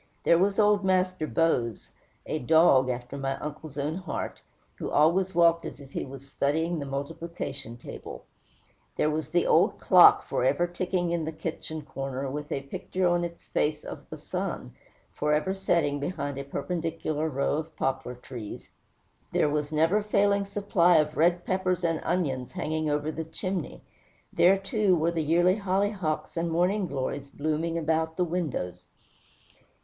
There was old Master Bose, a dog after my uncle's own heart, who always walked as if he was studying the multiplication table. There was the old clock, forever ticking in the kitchen corner, with a picture on its face of the sun, forever setting behind a perpendicular row of poplar trees. There was the never failing supply of red peppers and onions hanging over the chimney. There, too, were the yearly hollyhocks and morning glories blooming about the windows.